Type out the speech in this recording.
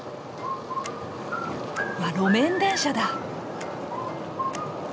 あ路面電車だ！